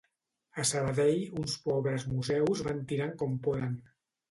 A Sabadell, uns pobres museus van tirant com poden.